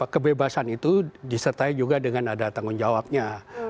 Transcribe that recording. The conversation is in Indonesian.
kebebasan itu disertai juga dengan ada tanggung jawabnya